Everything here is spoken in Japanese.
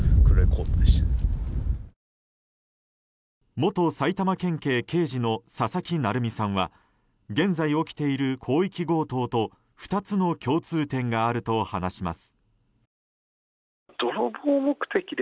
元埼玉県警刑事の佐々木成三さんは現在起きている広域強盗と２つの共通点があると話します。